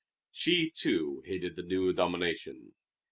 She, too, hated the new domination.